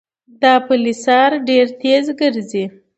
د پلسار ډېر تېز ګرځي.